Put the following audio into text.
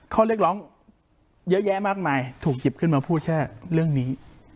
ข้อเรียกร้องเยอะแยะมากมายถูกหยิบขึ้นมาพูดแค่เรื่องนี้